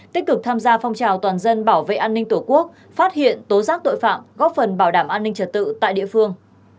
tích cực tham gia phong trào toàn dân bảo vệ an ninh tổ quốc phát hiện tố giác tội phạm góp phần bảo đảm an ninh trật tự tại địa phương